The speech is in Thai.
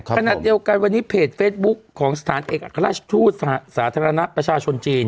ขณะเดียวกันวันนี้เพจเฟซบุ๊คของสถานเอกอัครราชทูตสาธารณะประชาชนจีน